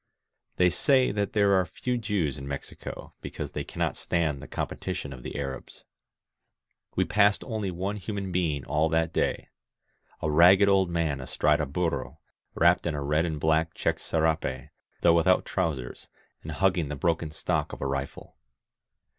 They say that there are few Jews in Mexico because they cannot stand the competition of the Arabs. We passed only one human heing all that day — a ragged old man astride a burro, wrapped in a red and black checked serape, though without trousers, and hugging the broken stock of a rifle.